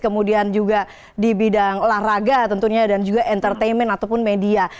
kemudian juga di bidang olahraga tentunya dan juga entertainment ataupun media